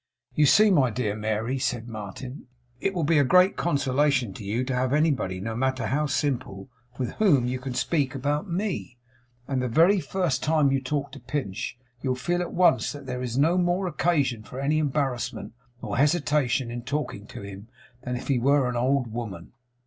You see, my dear Mary,' said Martin, 'it will be a great consolation to you to have anybody, no matter how simple, with whom you can speak about ME; and the very first time you talk to Pinch, you'll feel at once that there is no more occasion for any embarrassment or hesitation in talking to him, than if he were an old woman.